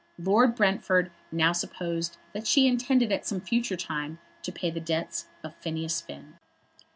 Lord Brentford now supposed that she intended at some future time to pay the debts of Phineas Finn.